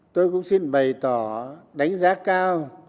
tôi cũng xin bày tỏ đánh giá cao